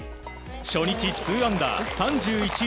初日、２アンダー３１位